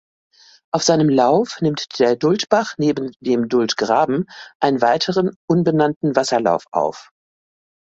Auf seinem Lauf nimmt der Dultbach neben dem Dultgraben einen weiteren unbenannten Wasserlauf auf.